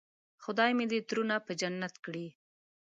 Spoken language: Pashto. خدای مې دې ترونه په جنت کړي.